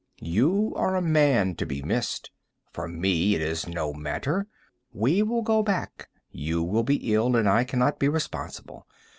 You are a man to be missed. For me it is no matter. We will go back; you will be ill, and I cannot be responsible.